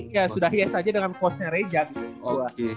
ya sudah his aja dengan quotesnya rejan